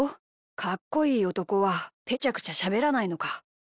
かっこいいおとこはぺちゃくちゃしゃべらないのか。